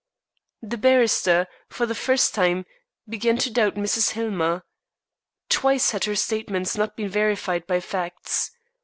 The barrister, for the first time, began to doubt Mrs. Hillmer. Twice had her statements not been verified by facts.